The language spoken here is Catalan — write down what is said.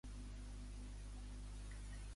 Què ha emfatitzat Colau?